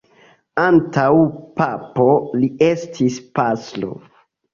Antaŭ papo, li estis pastro.